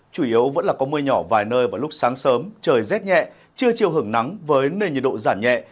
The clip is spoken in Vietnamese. chủ yếu vẫn là có mưa nhỏ vài nơi vào lúc sáng sớm trời rét nhẹ chưa chiều hưởng nắng với nền nhiệt độ giảm nhẹ